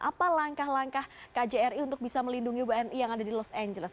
apa langkah langkah kjri untuk bisa melindungi wni yang ada di los angeles